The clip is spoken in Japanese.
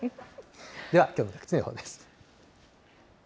きょうの各地の予報です。